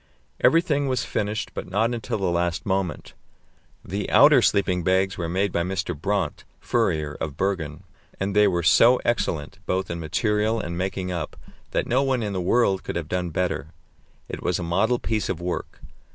Everything was finished, but not until the last moment. The outer sleeping bags were made by Mr. Brandt, furrier, of Bergen, and they were so excellent, both in material and making up, that no one in the world could have done better; it was a model piece of work.